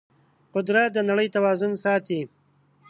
قدرت د نړۍ توازن ساتي.